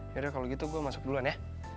yaudah kalau gitu gue masuk duluan ya